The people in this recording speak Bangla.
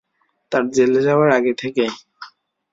তোর জেলে যাওয়ার আগে থেকেই।